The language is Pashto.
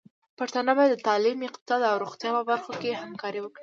پښتانه بايد د تعليم، اقتصاد او روغتيا په برخو کې همکاري وکړي.